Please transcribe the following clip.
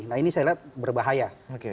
nah ini saya lihat berbahaya